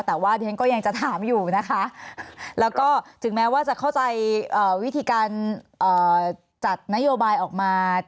แต่ว่าดิฉันก็ยังจะถามอยู่นะคะแล้วก็ถึงแม้ว่าจะเข้าใจวิธีการจัดนโยบายออกมา